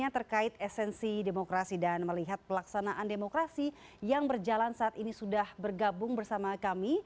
terkait esensi demokrasi dan melihat pelaksanaan demokrasi yang berjalan saat ini sudah bergabung bersama kami